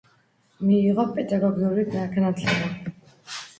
მიიღო პედაგოგიური განათლება.